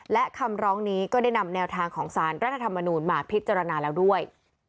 และคำร้องนี้ก็ได้นำแนวทางของสารรัฐธรรมนูญมาพิจารณาแล้วด้วย